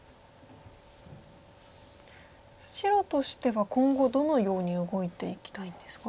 白としては今後どのように動いていきたいんですか？